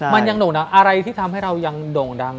มันยังโด่งดังอะไรที่ทำให้เรายังโด่งดัง